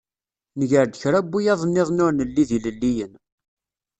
Nger-d kra n wiyaḍ-nniḍen ur nelli d ilelliyen.